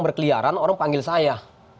berkeliaran orang panggil saya